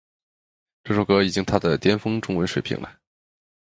这首歌已经她的巅峰中文水平了